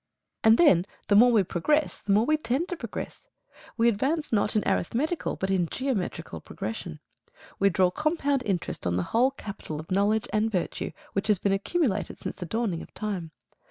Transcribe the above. And then the more we progress the more we tend to progress. We advance not in arithmetical but in geometrical progression. We draw compound interest on the whole capital of knowledge and virtue which has been accumulated since the dawning of time.